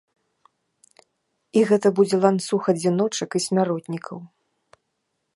І гэта будзе ланцуг адзіночак і смяротнікаў.